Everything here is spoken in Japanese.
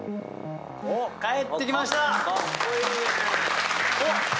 帰ってきました！